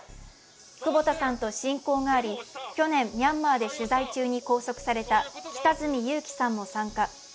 久保田さんと親交があり去年、ミャンマーで取材中に拘束された北角裕樹さんも参加。